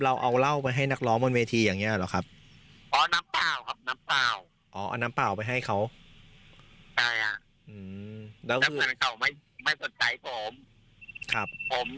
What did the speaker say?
อ่านี่ในต้อมที่เขาเปิดเผยนะครับ